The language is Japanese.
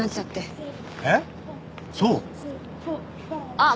あっ！